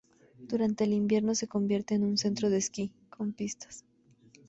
Durante el invierno, se convierte en un centro de esquí, con pistas.